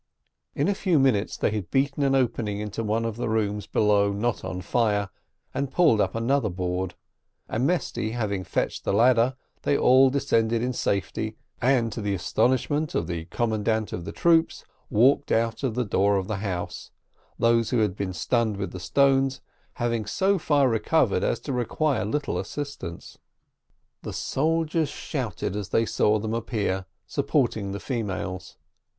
In a few minutes they had beaten an opening into one of the rooms below not on fire, pulled up another board, and Mesty having fetched the ladder, they all descended in safety, and, to the astonishment of the commandant of the troops, walked out of the door of the house, those who had been stunned with the stones having so far recovered as to require little assistance. The soldiers shouted as they saw them appear, supporting the females.